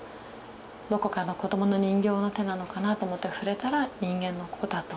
どこかの子どもの人形の手なのかなと思って触れたら人間の子だと。